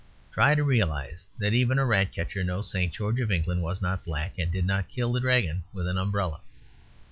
Try to realise that even a Ratcatcher knows St. George of England was not black, and did not kill the Dragon with an umbrella.